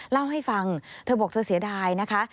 เล่าให้ฟังเธอบอกเธอเสียดายนะคะ